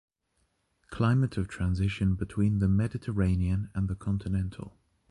Climate of transition between the Mediterranean and the Continental.